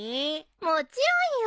もちろんよ。